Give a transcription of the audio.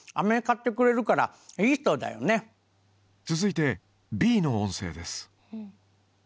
続いてＢの音声です。